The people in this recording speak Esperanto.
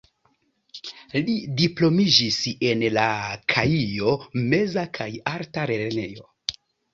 Li diplomiĝis en la Kaijo-meza kaj alta lernejo.